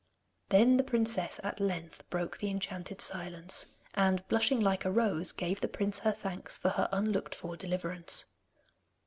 Then the princess at length broke the enchanted silence, and blushing like a rose, gave the prince her thanks for her unlooked for deliverance.